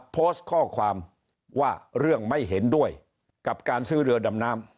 โพสต์ข้อความว่าเรื่องไม่เห็นด้วยกับการซื้อเรือดำน้ำ